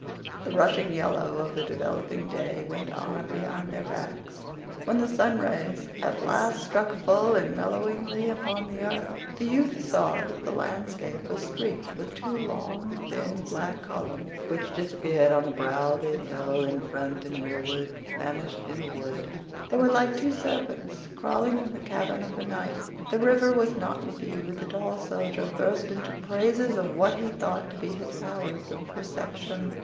The rushing yellow of the developing day went on behind their backs. When the sunrays at last struck full and mellowingly upon the earth, the youth saw that the landscape was streaked with two long, thin, black columns which disappeared on the brow of a hill in front and rearward vanished in a wood. They were like two serpents crawling from the cavern of the night. The river was not in view. The tall soldier burst into praises of what he thought to be his powers of perception.